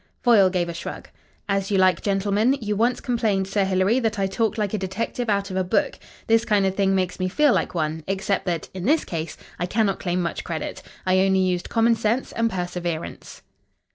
Foyle gave a shrug. "As you like, gentlemen. You once complained, Sir Hilary, that I talked like a detective out of a book. This kind of thing makes me feel like one except that, in this case, I cannot claim much credit. I only used common sense and perseverance."